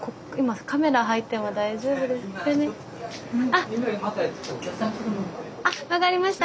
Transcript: あっあっ分かりました。